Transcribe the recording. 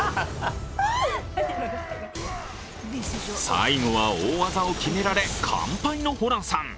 最後は大技を決められ、完敗のホランさん。